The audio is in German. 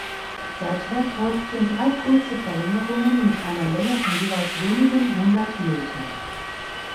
Seither folgten drei kurze Verlängerungen mit einer Länge von jeweils wenigen hundert Metern.